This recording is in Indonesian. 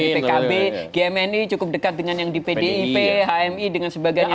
pkb gmni cukup dekat dengan yang di pdip hmi dengan sebagainya